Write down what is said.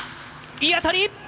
いい当たり。